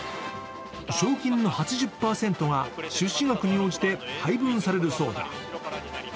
賞金の８０％が出資額に応じて配分されるそうだ。